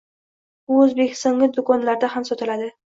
u Oʻzbekistondagi doʻkonlarda ham sotiladi